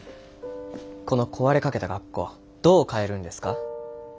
この壊れかけた学校どう変えるんですか？